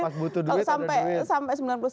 pas butuh duit ada duit